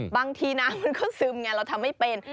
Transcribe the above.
บางทีน้ำมันก็ซึมไงเราทำไม่เป็น